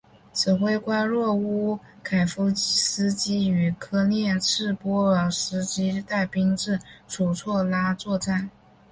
指挥官若乌凯夫斯基与科涅茨波尔斯基带兵至楚措拉作战。